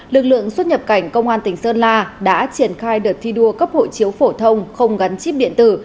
lực lượng xuất nhập cảnh công an tỉnh sơn la đã triển khai đợt thi đua cấp hộ chiếu phổ thông không gắn chip điện tử